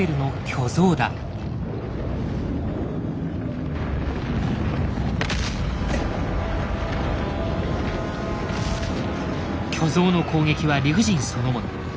巨像の攻撃は理不尽そのもの。